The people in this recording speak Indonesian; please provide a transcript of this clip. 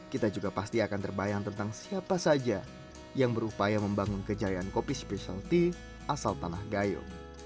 kita juga pasti akan terbayang tentang siapa saja yang berupaya membangun kejayaan kopi spesialty asal tanah gayo